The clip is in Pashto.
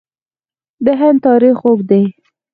د هند تاریخ اوږد دی.